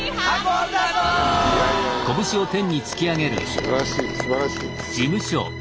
すばらしいすばらしいです。